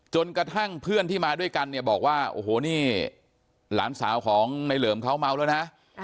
จนกระทั่งเพื่อนที่มาด้วยกันเนี่ยบอกว่าโอ้โหนี่หลานสาวของในเหลิมเขาเมาแล้วนะ